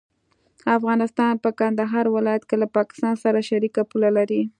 افغانستان په کندهار ولايت کې له پاکستان سره شریکه پوله لري.